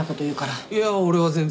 いや俺は全然。